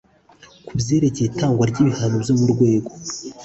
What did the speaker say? Ku byerekeye itangwa ry ibihano byo mu rwego